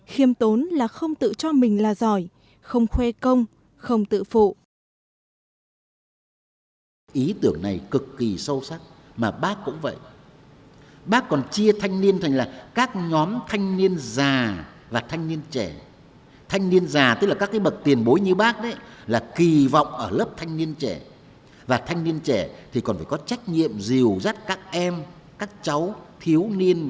khiêm tốn là không tự cho mình là giỏi không khoe công không tự phụ